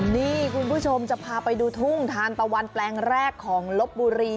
นี่คุณผู้ชมจะพาไปดูทุ่งทานตะวันแปลงแรกของลบบุรี